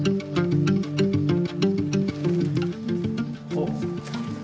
あっ。